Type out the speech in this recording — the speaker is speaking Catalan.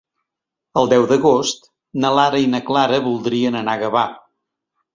El deu d'agost na Lara i na Clara voldrien anar a Gavà.